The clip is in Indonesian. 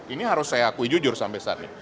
ini harus saya akui jujur sampai saat ini